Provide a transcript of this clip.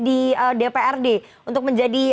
di dprd untuk menjadi